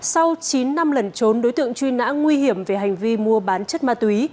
sau chín năm lần trốn đối tượng truy nã nguy hiểm về hành vi mua bán chất ma túy